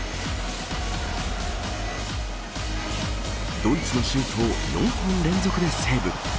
ドイツのシュートを４本連続でセーブ。